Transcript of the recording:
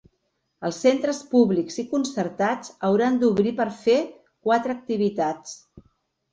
Els centres públics i concertats hauran d’obrir per a fer quatre activitats.